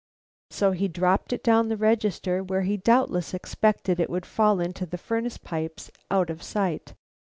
So he dropped it down the register, where he doubtless expected it would fall into the furnace pipes out of sight.